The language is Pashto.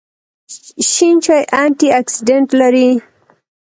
شین چای انټي اکسیډنټ لري